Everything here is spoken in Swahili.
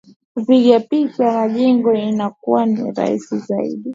Kupiga picha majengo inakuwa ni rahisi zaidi